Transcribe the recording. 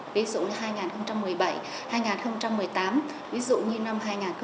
ví dụ như hai nghìn một mươi bảy hai nghìn một mươi tám ví dụ như năm hai nghìn một mươi tám